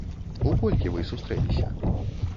У колькі вы сустрэліся?